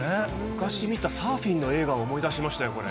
昔、見たサーフィンの映画を思い出しましたよ。